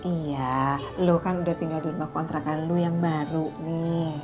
iya lo kan udah tinggal di rumah kontrakan lu yang baru nih